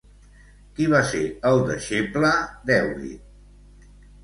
Qui va ser el deixeble d'Èurit?